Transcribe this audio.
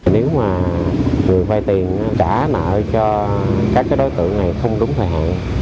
nếu mà người vay tiền trả nợ cho các đối tượng này không đúng thời hạn